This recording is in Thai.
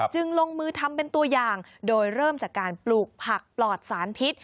จึงลงมือทำเป็นตัวอย่างโดยเริ่มจากการปลูกผักปลอดสารพิษ